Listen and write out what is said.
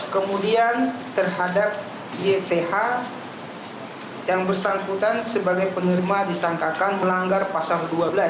kemudian terhadap yth yang bersangkutan sebagai penerima disangkakan melanggar pasal dua belas